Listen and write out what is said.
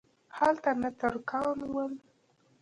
هلته نه ترکان ول.